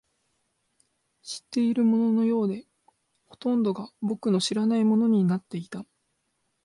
知っているもののようで、ほとんどが僕の知らないものになっていた